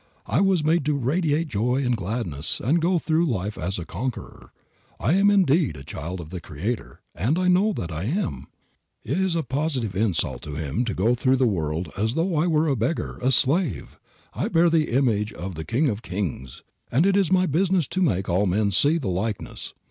I was made to radiate joy and gladness and to go through life as a conqueror. If I am indeed a child of the Creator (and I know that I am), it is a positive insult to Him to go through the world as though I were a beggar, a slave. I bear the image of the King of kings, and it is my business to make all men see the likeness.